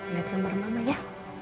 netamar mama ya